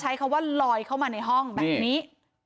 ใช้คำว่าลอยเข้ามาในห้องแบบนี้